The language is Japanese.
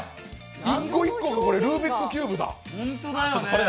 一個一個がルービックキューブや！